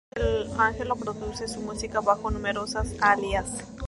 Angello produce su música bajo numerosos alias.